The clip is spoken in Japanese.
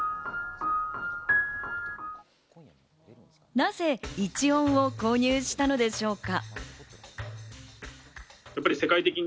なぜ１音を購入したのでしょうか？